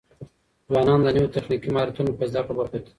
ځوانان د نويو تخنيکي مهارتونو په زده کړه بوخت دي.